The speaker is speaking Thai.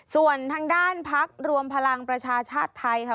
ส่วนทางด้านพักรวมพลังประชาชาติไทยค่ะ